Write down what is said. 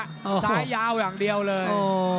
ซ้ายยาวอย่างเดียวเลย